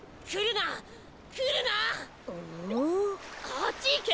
あっちいけ！